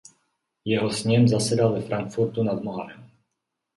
Jeho sněm zasedal ve Frankfurtu nad Mohanem.